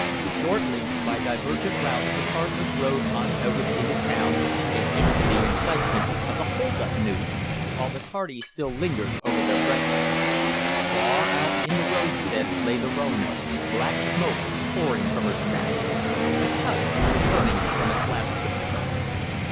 Shortly, by divergent routes, the partners rode unnoticed into town, and into the excitement of the hold up news, while the tardy still lingered over their breakfasts. Far out in the roadstead lay the Roanoke, black smoke pouring from her stack. A tug was returning from its last trip to her.